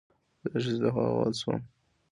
زه د ښځې له خوا ووهل شوم